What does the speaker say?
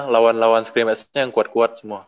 lawan lawan scrimmagenya yang kuat kuat semua